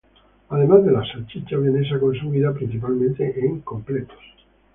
Además de la salchicha vienesa consumida principalmente en completos.